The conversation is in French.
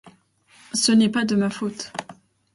Ce n’est pas de ma faute !